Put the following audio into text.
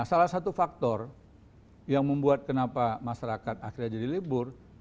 salah satu faktor yang membuat kenapa masyarakat akhirnya jadi libur